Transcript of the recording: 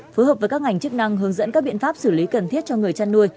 phối hợp với các ngành chức năng hướng dẫn các biện pháp xử lý cần thiết cho người chăn nuôi